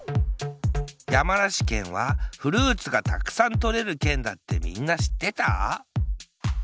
やまなしけんはフルーツがたくさんとれるけんだってみんなしってた？